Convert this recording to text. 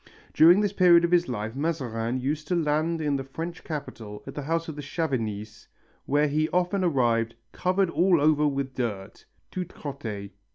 During this period of his life Mazarin used to land in the French capital at the house of the Chavignys, where he often arrived "covered all over with dirt" (tout crotté).